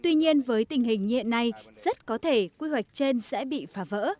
tuy nhiên với tình hình hiện nay rất có thể quy hoạch trên sẽ bị phá vỡ